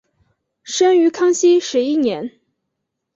生于康熙十一年。